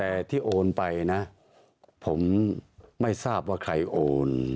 แต่ที่โอนไปนะผมไม่ทราบว่าใครโอน